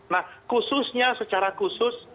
nah khususnya secara khusus